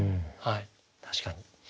確かに。